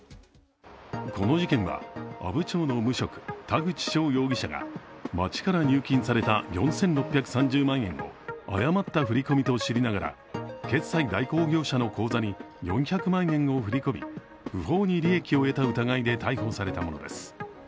この事件は阿武町の無職田口翔容疑者が町から入金された４６３０万円を誤った振り込みと知りながら決済代行業者の口座に４００万円を振り込み不法に利益を得た疑いで逮捕されたものです。